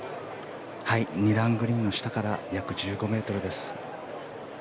２段グリーンの下から約１５ｍです。